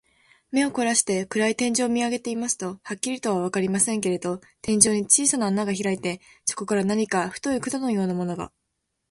目をこらして、暗い天井を見あげていますと、はっきりとはわかりませんけれど、天井に小さな穴がひらいて、そこから何か太い管のようなものが、